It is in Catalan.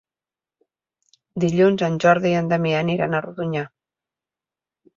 Dilluns en Jordi i en Damià aniran a Rodonyà.